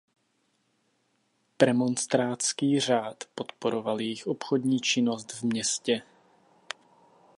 Premonstrátský řád podporoval jejich obchodní činnost v městě.